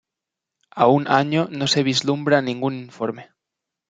A un año no se vislumbra ningún informe.